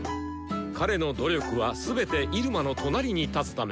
彼の努力は全て入間の隣に立つため！